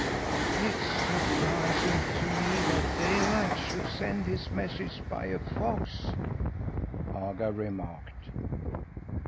"It's surprising to me that Daylight should send his messages by a fox," Agar remarked.